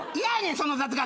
その雑学。